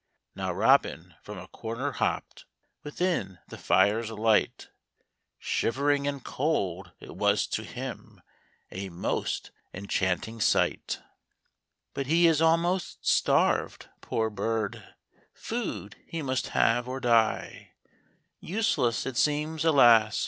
Now Robin from a corner hopped, Within the fire's light ; Shivering and cold, it was to him A most enchanting sight 190 THE ROBIN'S CHRISTMAS EVE. But he is almost starved, poor bird Food he must have, or die : Useless it seems, alas!